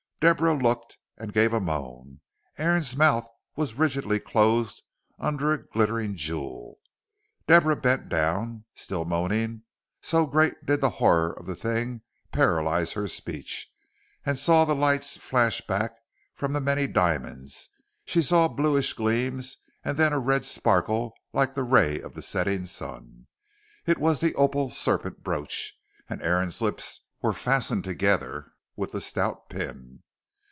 Deborah looked and gave a moan. Aaron's mouth was rigidly closed under a glittering jewel. Deborah bent down, still moaning, so great did the horror of the thing paralyse her speech, and saw the lights flash back from many diamonds: she saw bluish gleams and then a red sparkle like the ray of the setting sun. It was the opal serpent brooch, and Aaron's lips were fastened together with the stout pin.